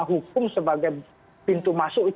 hukum sebagai pintu masuk